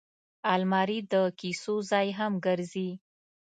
الماري د کیسو ځای هم ګرځي